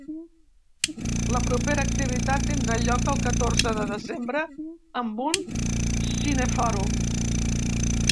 La propera activitat tindrà lloc el catorze de desembre amb un cinefòrum.